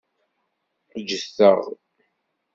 Ǧǧet-aɣ.